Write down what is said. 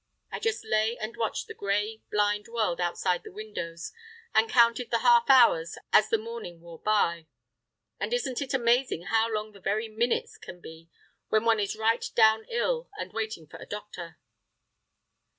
I just lay and watched the grey, blind world outside the windows, and counted the half hours as the morning wore by. And isn't it amazing how long the very minutes can be when one is right down ill, and waiting for a doctor?